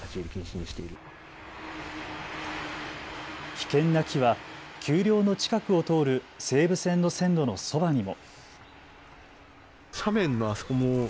危険な木は丘陵の近くを通る西武線の線路のそばにも。